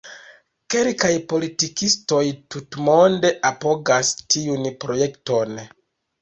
Kelkaj politikistoj tutmonde apogas tiun projekton.